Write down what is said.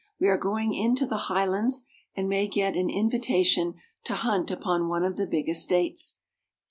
We are going into the Highlands, and may get an in vitation to hunt upon one of the big estates.